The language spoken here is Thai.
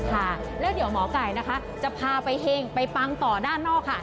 ค่ะแล้วเดี๋ยวหมอไก่นะคะจะพาไปเฮงไปปังต่อด้านนอกค่ะ